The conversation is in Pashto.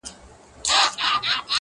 ما وعده د بل دیدار درنه غوښتلای-